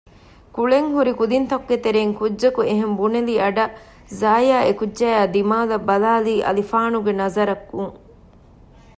ކުޅެން ހުރި ކުދިންތަކުގެ ތެރެއިން ކުއްޖަކު އެހެން ބުނެލި އަޑަށް ޒާޔާ އެކުއްޖާއަށް ބަލާލީ އަލިފާނުގެ ނަޒަރަކުން